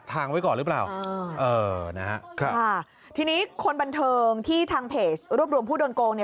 ทุกคนบันเทิงที่ทางเพจรวบรวมผู้โดนโกงเนี่ย